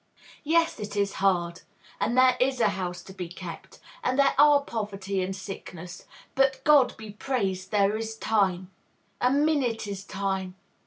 Yes, it is hard. And there is the house to be kept; and there are poverty and sickness; but, God be praised, there is time. A minute is time.